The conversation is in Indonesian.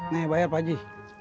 nih bayar pak haji